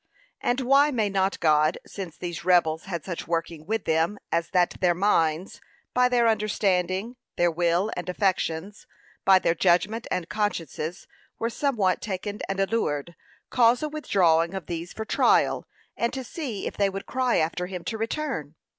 And why may not God, since these rebels had such working with them, as that their minds, by their understanding, their will and affections; by their judgment and consciences were somewhat taken and allured, cause a withdrawing of these for trial, and to see if they would cry after him to return.